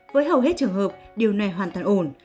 với hầu hết trường hợp điều này hoàn toàn ổn